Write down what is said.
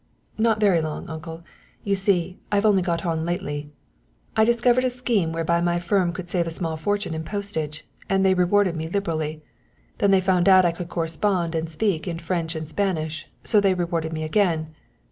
"Not very long, uncle. You see, I've only got on lately. I discovered a scheme whereby my firm could save a small fortune in postage, and they rewarded me liberally. Then they found out I could correspond and speak in French and Spanish, so they rewarded me again.